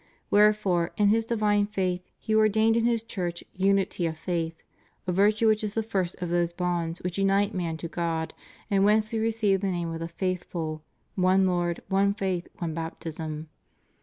Wherefore, in His divine wisdom. He ordained in His Church Unity of Faith; a virtue which is the first of those bonds which unite man to God, and whence we receive the name of the faithful — one Lord, one faith, one baptism.